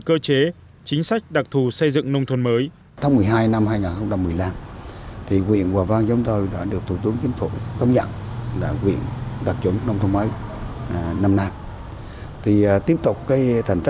cơ chế chính sách đặc thù xây dựng nông thôn mới